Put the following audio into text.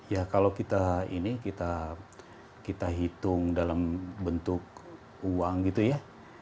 ya kalau kita ini kita hitung dalam bentuk uang gitu ya